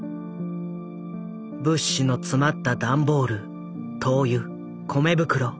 物資の詰まった段ボール灯油米袋。